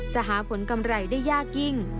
หาผลกำไรได้ยากยิ่ง